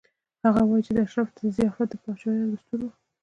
هغه وايي چې اشرافو ته ضیافت د پاچایانو دستور و.